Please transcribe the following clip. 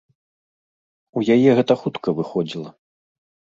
У яе гэта хутка выходзіла.